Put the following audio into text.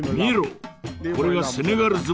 これがセネガル相撲だ。